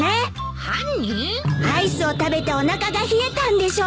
アイスを食べておなかが冷えたんでしょ？